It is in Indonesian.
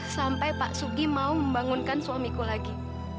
sampai pak sugi mau membangunkan suamiku lagi